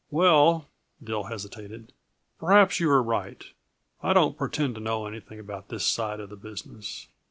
"Well," Dill hesitated, "perhaps you are right. I don't pretend to know anything about this side of the business.